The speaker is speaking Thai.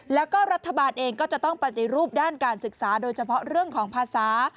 แล้วก็รัฐบาลเองก็จะต้องปฏิรูปด้านการศึกษาโดยเฉพาะเรื่องของภาษา